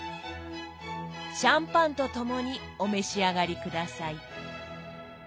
シャンパンとともにお召し上がり下さい。